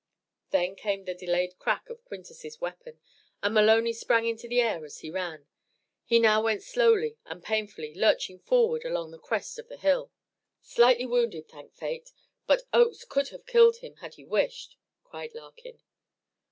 Then came the delayed crack of Quintus's weapon, and Maloney sprang into the air as he ran. He now went slowly and painfully, lurching forward along the crest of the hill. "Slightly wounded, thank Fate but Oakes could have killed him had he wished," cried Larkin.